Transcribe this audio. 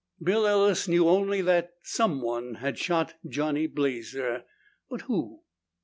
Bill Ellis knew only that someone had shot Johnny Blazer. But who?